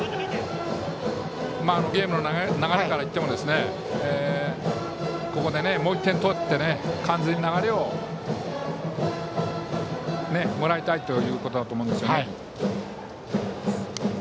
ゲームの流れからしてもここでもう１点取って完全に流れをもらいたいということだと思うんです。